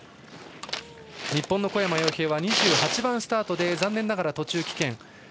日本の小山陽平は２８番スタートで残念ながら途中棄権。